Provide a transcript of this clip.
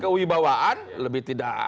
kewibawaan lebih tidak